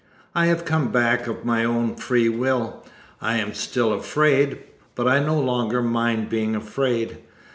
I have come back of my own free will. I am still afraid, but I no longer mind being afraid.